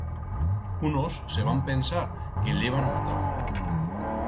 Unos se van pensar que l'heban matau.